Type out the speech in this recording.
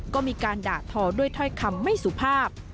ก็มีการด่าทอด้วยถ้อยคำไม่สุภาพ